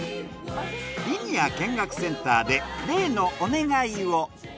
リニア見学センターで例のお願いを。